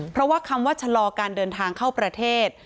เพราะว่าคำว่าชะลอการเดินทางเข้าประเทศ